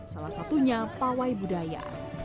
salah satunya pawai budaya